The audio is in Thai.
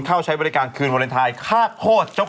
ตามแหล่งว่าสมวัยรวม